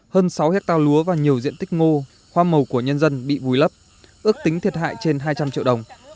hơn sáu hectare lúa và nhiều diện tích ngô hoa màu của nhân dân bị vùi lấp ước tính thiệt hại trên hai trăm linh triệu đồng